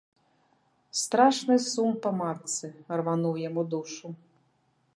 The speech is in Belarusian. Страшны сум па матцы рвануў яму душу.